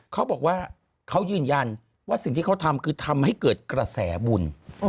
เขาบอกว่าเขายืนยันว่าสิ่งที่เขาทำคือทำให้เกิดกระแสบุญ